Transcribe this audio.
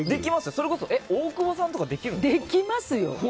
それこそ大久保さんとかできますよ！